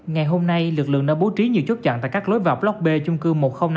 ngày hôm nay lực lượng đã bố trí nhiều chốt chặn tại các lối vào block b chung cư một nghìn năm mươi